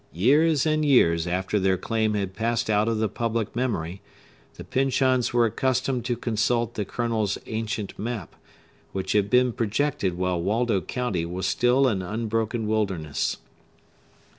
Years and years after their claim had passed out of the public memory, the Pyncheons were accustomed to consult the Colonel's ancient map, which had been projected while Waldo County was still an unbroken wilderness.